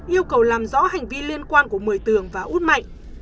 yêu cầu làm rõ hành vi liên quan của một mươi tường và út mạnh